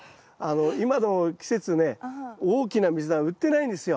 今の季節ね大きなミズナ売ってないんですよ。